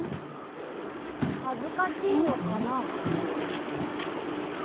はずかしいのかな？